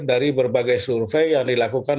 dari berbagai survei yang dilakukan